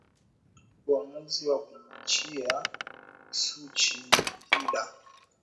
uamuzi wa kumwachia suchi ni hila